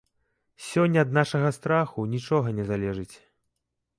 Сёння ад нашага страху нічога не залежыць.